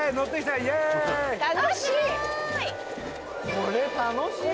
これ楽しい。